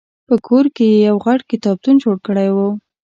په کور کې یې یو غټ کتابتون جوړ کړی و.